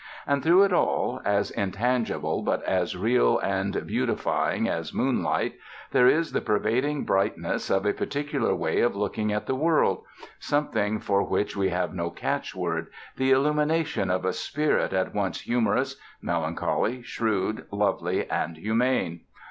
And through it all, as intangible but as real and beautifying as moonlight, there is the pervading brightness of a particular way of looking at the world, something for which we have no catchword, the illumination of a spirit at once humorous, melancholy, shrewd, lovely and humane.